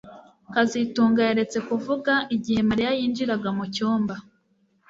kazitunga yaretse kuvuga igihe Mariya yinjiraga mu cyumba